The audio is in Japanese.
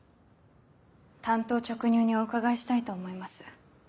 単刀直入にお伺いしたいと思います。